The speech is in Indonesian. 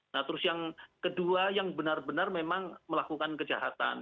nah terus yang kedua yang benar benar memang melakukan kejahatan